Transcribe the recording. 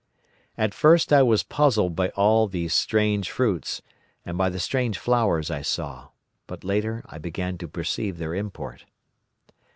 At first I was puzzled by all these strange fruits, and by the strange flowers I saw, but later I began to perceive their import.